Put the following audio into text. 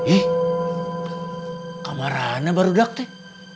eh kamarana baru dek teh